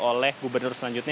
oleh gubernur selanjutnya